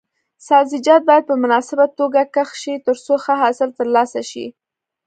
سبزیجات باید په مناسبه توګه کښت شي ترڅو ښه حاصل ترلاسه شي.